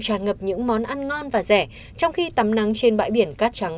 tràn ngập những món ăn ngon và rẻ trong khi tắm nắng trên bãi biển cát trắng